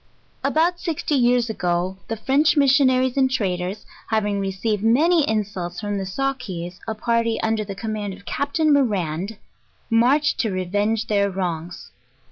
About sixty years ago, the French missionaries and tra ders, having received many insults from the Sawkees, a par ty under the command of Capt. Morand, marched to revenge their wrongs.